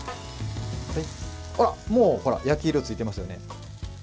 もう焼き色ついてますよね。